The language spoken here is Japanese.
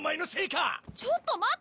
ちょっと待ってよ！